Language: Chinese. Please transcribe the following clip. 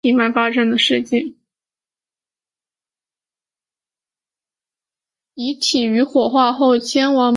遗体于火化后迁往美国旧金山寓所。